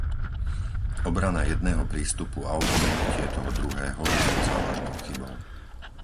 Obrana jedného prístupu a opomenutie toho druhého by bolo závažnou chybou.